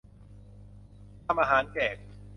ทำอาหารแจก